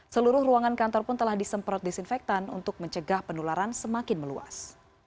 seluruh ruangan kantor pun telah disemprot disinfektan untuk mencegah penularan semakin meluas